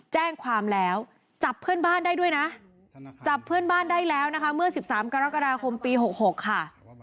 แจ้งความแล้วจับเพื่อนบ้านได้ด้วยนะจับเพื่อนบ้านได้แล้วนะคะเมื่อ๑๓กรกฎาคมปี๖๖ค่ะ